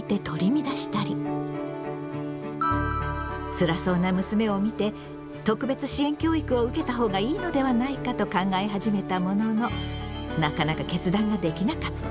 つらそうな娘を見て特別支援教育を受けた方がいいのではないかと考え始めたもののなかなか決断ができなかった。